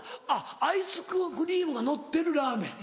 アイスクリームがのってるラーメン？